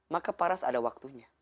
maka paras ada waktunya